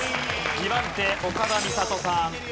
２番手岡田美里さん。